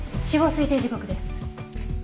死亡推定時刻です。